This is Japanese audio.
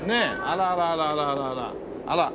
あららら。